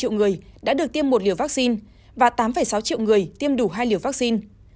hai mươi ba triệu người đã được tiêm một liều vaccine và tám sáu triệu người tiêm đủ hai liều vaccine